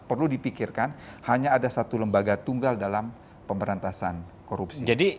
perlu dipikirkan hanya ada satu lembaga tunggal dalam pemberantasan korupsi